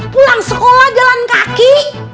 pulang sekolah jalan kaki